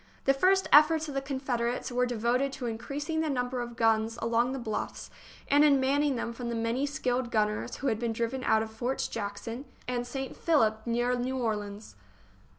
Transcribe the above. The first efforts of the Confederates were de voted to increasing the number of guns along the bluffs and in manning them from the many skilled gunners who had been driven out of Forts Jackson and St. Philip, near New Orleans.